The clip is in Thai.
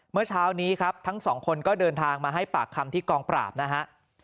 เมื่อเช้านี้ครับทั้งสองคนก็เดินทางมาให้ปากคำที่กองปราบนะฮะ